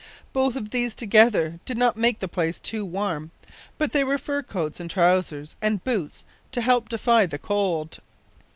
Both of these together did not make the place too warm, but there were fur coats and trousers and boots to help defy the cold.